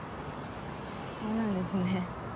そうなんですね。